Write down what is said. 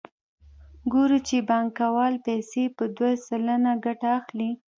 ګورو چې بانکوال پیسې په دوه سلنه ګټه اخلي